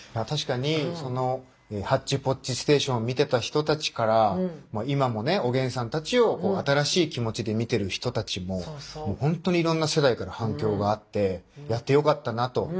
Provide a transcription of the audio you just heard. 確かにその「ハッチポッチステーション」見てた人たちから今もおげんさんたちを新しい気持ちで見てる人たちももう本当にいろんな世代から反響があってやってよかったなと。